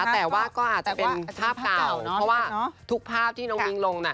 แต่ว่าก็อาจจะเป็นภาพเก่าเพราะว่าทุกภาพที่น้องมิ้งลง